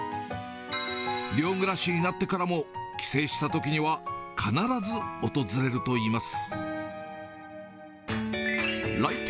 寮暮らしになってからも、帰省したときには必ず訪れるといいます。